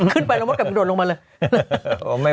ขึ้นไปแล้วมดกับโดดลงมาเลย